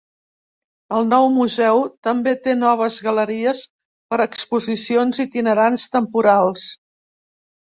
El nou museu també té noves galeries per a exposicions itinerants temporals.